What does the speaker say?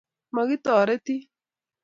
Mokitoretin.